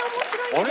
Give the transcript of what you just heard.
あれ？